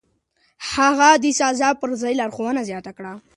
هغه د سزا پر ځای لارښوونه زياته کړه.